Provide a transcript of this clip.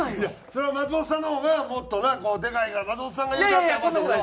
それは松本さんの方がもっとなこうでかいから松本さんが言うたったら。